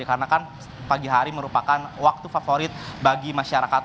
karena kan pagi hari merupakan waktu favorit bagi masyarakat